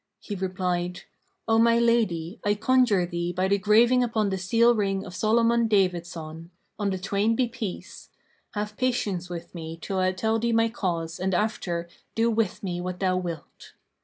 He replied, "O my lady, I conjure thee by the graving upon the seal ring of Solomon David son (on the twain be peace!) have patience with me till I tell thee my cause and after do with me what thou wilt."